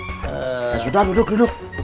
ya sudah duduk duduk